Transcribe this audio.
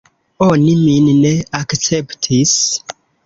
Oni min ne akceptis.